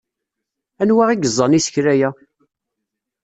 Anwa i yeẓẓan isekla-a?